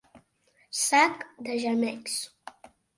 Sac de gemecs.